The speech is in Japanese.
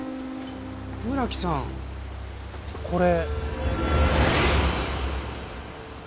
村木さんこれ。